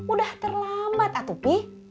udah terlambat atu pi